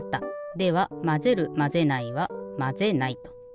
ではまぜるまぜないは「まぜない」と。